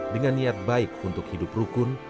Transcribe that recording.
dengan niat baik untuk hidup rukun